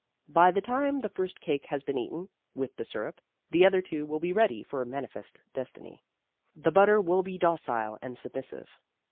By the time the first cake has been eaten, with the syrup, the other two will be ready for manifest destiny. The butter will be docile and submissive.